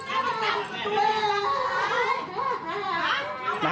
ไอ้แม่ได้เอาแม่ดูนะ